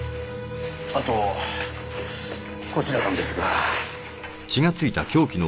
あとこちらなんですが。